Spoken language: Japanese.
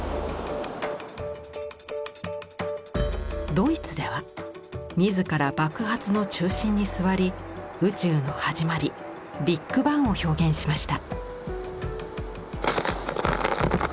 ドイツでは自ら爆発の中心に座り宇宙の始まりビッグバンを表現しました。